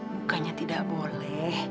bukannya tidak boleh